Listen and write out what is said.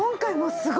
すごい。